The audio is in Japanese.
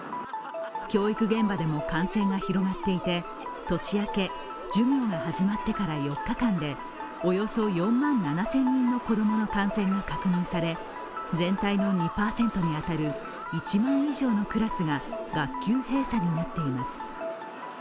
教育現場でも感染が広がっていて、年明け、授業が始まってから４日間でおよそ４万７０００人の子供の感染が確認され全体の２％に当たる１万以上のクラスが学級閉鎖になっています。